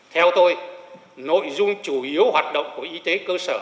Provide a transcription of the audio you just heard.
theo tôi nội dung chủ yếu hoạt động của y tế cơ sở